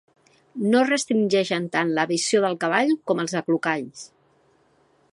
No restringeixen tant la visió del cavall com els aclucalls.